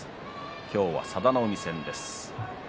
今日は佐田の海戦です。